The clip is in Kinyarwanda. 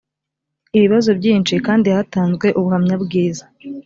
ibibazo byinshi kandi hatanzwe ubuhamya bwiza